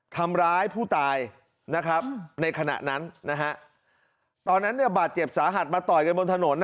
ทำร้ายผู้ตายนะครับในขณะนั้นนะฮะตอนนั้นเนี่ยบาดเจ็บสาหัสมาต่อยกันบนถนน